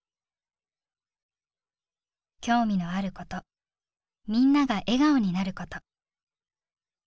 「興味のあることみんなが笑顔になること」。